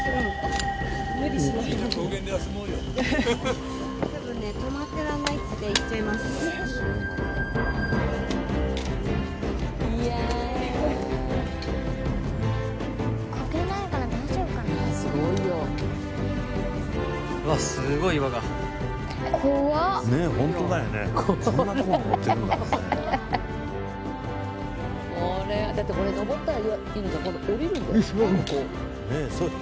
これだってこれ登ったら柚乃ちゃん今度下りるんだよ。